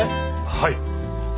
はい。